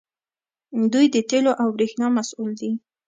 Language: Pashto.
دوی د تیلو او بریښنا مسوول دي.